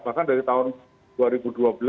bahkan dari tahun dua ribu dua belas